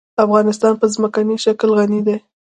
افغانستان په ځمکنی شکل غني دی.